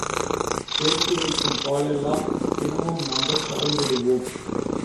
சேர்த்து வைக்கும் பாலெல்லாம் தினமும் நாங்கள் கறந்திடுவோம்.